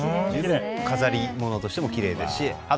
飾り物としてもきれいですしあと